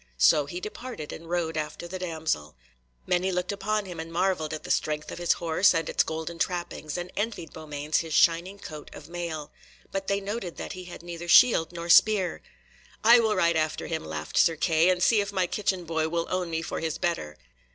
So he departed, and rode after the damsel. Many looked upon him and marvelled at the strength of his horse, and its golden trappings, and envied Beaumains his shining coat of mail; but they noted that he had neither shield nor spear. "I will ride after him," laughed Sir Kay, "and see if my kitchen boy will own me for his better."